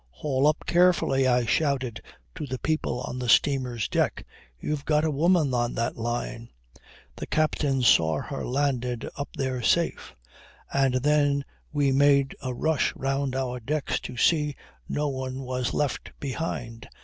"Haul up carefully," I shouted to the people on the steamer's deck. "You've got a woman on that line." The captain saw her landed up there safe. And then we made a rush round our decks to see no one was left behind.